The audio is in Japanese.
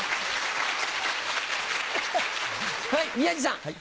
はい宮治さん。